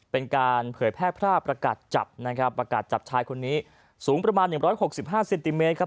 เป็นการเผยแพร่พร่าพประกัดจับนะครับประกัดจับชายคนนี้สูงประมาณหนึ่งร้อยหกสิบห้าเซนติเมตรครับ